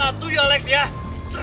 jalur jalur jalur